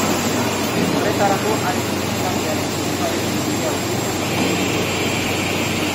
Horretarako haren zintzarriaren soinuarekin bidea aurkitzen laguntzen die.